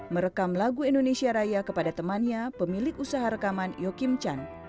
merekam lagu indonesia raya kepada temannya pemilik usaha rekaman yo kimchan